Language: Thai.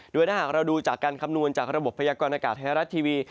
โดยถ้าหากเราดูจากการคำนวณจากระบบพยากรณากาศไทยรัฐทีวี